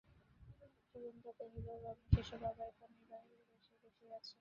যোগেন্দ্র কহিল, রমেশ, এসো, বাবা এইখানে বাহিরেই বসিয়া আছেন।